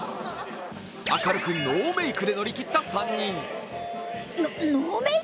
明るくノーメークで乗り切った３人。